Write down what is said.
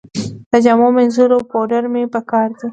د جامو مینځلو پوډر مې په کار دي